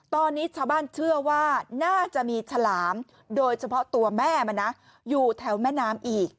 ตอนนี้ชาวบ้านเชื่อว่าน่าจะมีฉลามโดยเฉพาะตัวแม่มันนะอยู่แถวแม่น้ำอีก